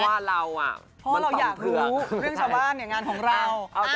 เพราะว่าเราอยากรู้เรื่องชาวบ้านเนี่ยงานของเรา